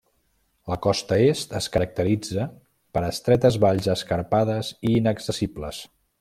La costa est es caracteritza per estretes valls escarpades i inaccessibles.